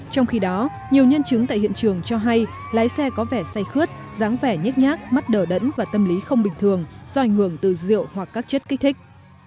trong khi đó nhiều nhân chứng tại hiện trường cho hay lái xe có vẻ say khướt dáng vẻ nhét nhát mắt đở đẫn và tâm lý không bình thường dòi ngường từ rượu hoặc các chất kích thích